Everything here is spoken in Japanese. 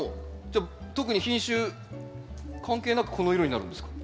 じゃあ特に品種関係なくこの色になるんですか？